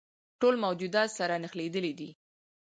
ټول موجودات سره نښلیدلي دي.